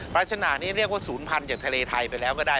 ราชนานี้เรียกว่าศูนย์พันธุ์จากทะเลไทยไปแล้วก็ได้